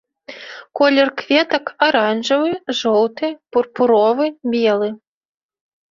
Колер кветак аранжавы, жоўты, пурпуровы, белы.